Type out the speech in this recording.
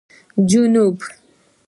جنوب